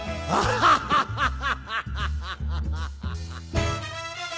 ハハハハ。